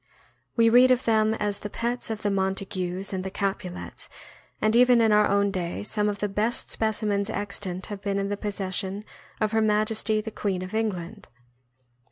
We read of them as the pets of the Mon tagues and the Capulets, and even in our own day some of the best specimens extant have been in the possession of Her Majesty the Queen of England.